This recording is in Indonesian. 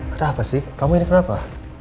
ada apa sih kamu ini kenapa